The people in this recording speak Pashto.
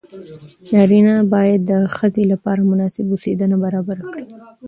نارینه باید د ښځې لپاره مناسب اوسېدنه برابره کړي.